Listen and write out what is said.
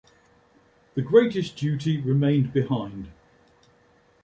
The greatest duty remained behind.